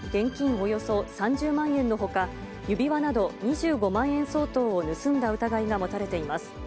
およそ３０万円のほか、指輪など２５万円相当を盗んだ疑いが持たれています。